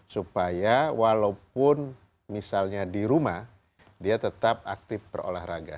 supaya walaupun misalnya di rumah dia tetap aktif berolahraga